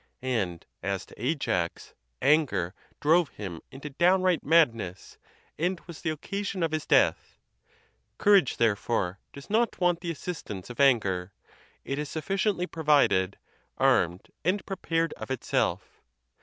And as to Ajax, anger drove him into downright madness, and was the occasion of his death. Courage, therefore, does. not want the as sistance of anger; it is sufficiently provided, armed, and prepared of itself.